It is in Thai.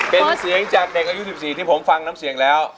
เป็นเสียงจากเด็กอายุ๑๔ที่ผมฟังน้ำเสียงแล้ว